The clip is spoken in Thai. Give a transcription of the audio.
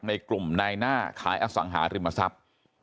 ในกลุ่มนายหน้าขายอสังหาริมทรัพย์